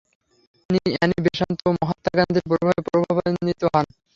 তিনি Annie Besant ও মহাত্মা গান্ধীর প্রভাবে প্রভাবান্বিত হন।